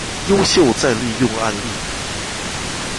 優秀再利用案例